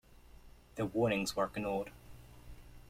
The warnings were ignored.